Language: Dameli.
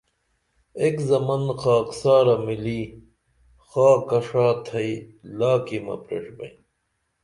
ایک زمن خاکسارہ مِلی خاکہ ݜا تھئی لاکیمہ پریݜبئیں